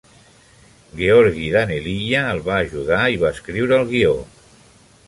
Georgi Daneliya el va ajudar i va escriure el guió.